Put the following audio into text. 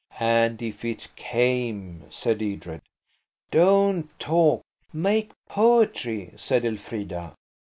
"And if it came," said Edred. "Don't talk–make poetry," said Elfrida.